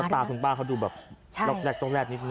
แล้วตาคุณป้าเขาดูแบบล็อคแหลกตรงแหลกนิดหนึ่ง